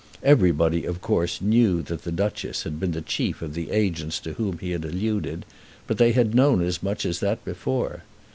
Everybody of course knew that the Duchess had been the chief of the agents to whom he had alluded, but they had known as much as that before.